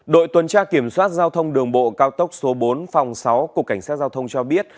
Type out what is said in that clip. đội tuần tra kiểm soát giao thông đường bộ cao tốc số bốn phòng sáu cục cảnh sát giao thông cho biết